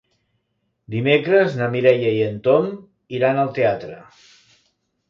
Dimecres na Mireia i en Tom iran al teatre.